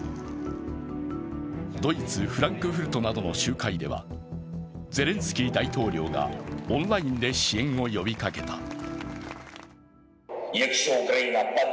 ドイツ・フランクフルトなどの集会では、ゼレンスキー大統領がオンラインで支援を呼びかけた。